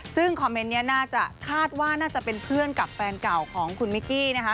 ซึ่งคอมเมนต์นี้น่าจะคาดว่าน่าจะเป็นเพื่อนกับแฟนเก่าของคุณมิกกี้นะคะ